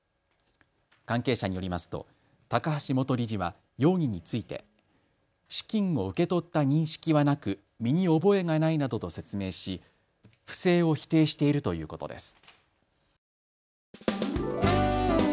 関係者によりますと高橋元理事は容疑について資金を受け取った認識はなく身に覚えがないなどと説明し不正を否定しているということです。